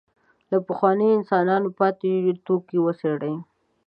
له پخوانیو انسانانو پاتې توکي وڅېړي.